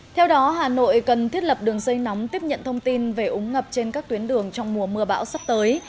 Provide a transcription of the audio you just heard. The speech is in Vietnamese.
theo đó hà nội cần thiết lập đường dây nóng tiếp nhận thông tin về ống ngập trên các tuyến đường trong mùa mưa bão sắp tới